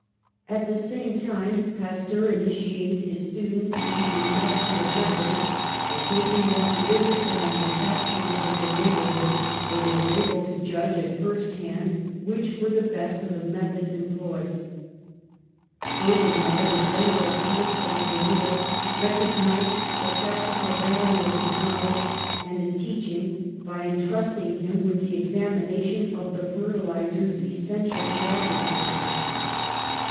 At the same time Pasteur initiated his students into industrial methods by taking them to visit the manufacturers of the neighbourhood, where they were able to judge at first hand which were the best of the methods employed. Fur thermore, the General Council of the North recognised the practical value of his knowledge and his teaching by entrusting him with the examination of the fertilisers essential to agri culture.